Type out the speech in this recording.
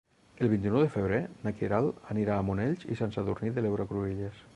El vint-i-nou de febrer na Queralt anirà a Monells i Sant Sadurní de l'Heura Cruïlles.